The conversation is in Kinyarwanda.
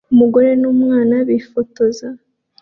Umugore n'umwana bifotoza